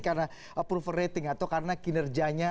karena approval rating atau karena kinerjanya